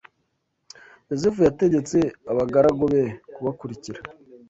Yozefu yategetse abagaragu be kubakurikira